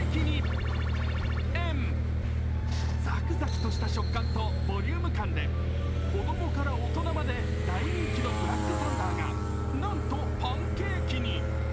ザクザクとした食感とボリューム感で子供から大人まで大人気のブラックサンダーが、なんとパンケーキに。